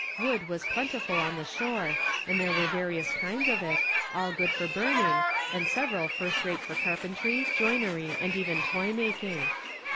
Wood was plentiful on the shore, and there were various kinds of it, all good for burning, and several first rate for carpentery, joinery, and even toy making.